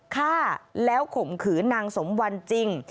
ฆ่าแล้วข่มขืนนางสมวันจริง